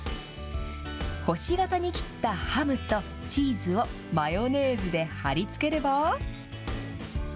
星形に切ったハムとチーズをマヨネーズで貼り付ければ。